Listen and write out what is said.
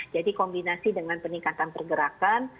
jadi kombinasi dengan peningkatan pergerakan